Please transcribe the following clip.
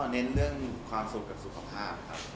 เน้นเรื่องความสุขสุขภาพที่เรามีความสุข